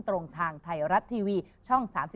ตรงทางไทยรัฐทีวีช่อง๓๒